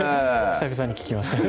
久々に聞きました